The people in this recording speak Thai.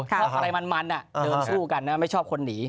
ถ้าอะไรมันอะเดินสู้กันไม่ชอบคนหนี